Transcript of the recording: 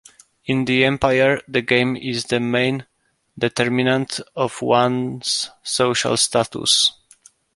In the empire, the game is the main determinant of one's social status.